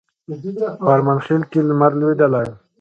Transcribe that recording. فرمانخیل کښي لمر لوېدلی